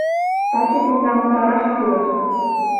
Таче тендам утараш кӱлеш!